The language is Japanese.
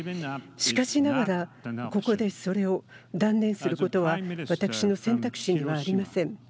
しかしながらここで、それを断念することは私の選択肢にはありません。